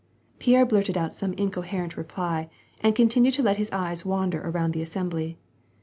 Pierre blurted out some incoherent reply, and continued to let his eyes wander around the assembly.